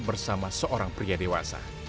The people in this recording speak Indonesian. bersama seorang pria dewasa